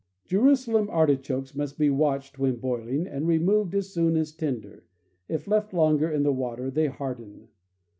Jerusalem artichokes must be watched when boiling and removed as soon as tender; if left longer in the water, they harden.